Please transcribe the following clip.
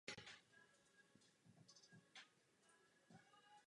Tato myšlenka však byla opuštěna.